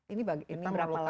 ini berapa lama